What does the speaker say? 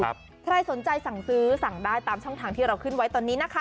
ใครสนใจสั่งซื้อสั่งได้ตามช่องทางที่เราขึ้นไว้ตอนนี้นะคะ